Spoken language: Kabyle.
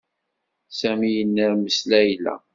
Sami yennermes Layla.